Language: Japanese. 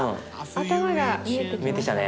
頭が見えてきましたね。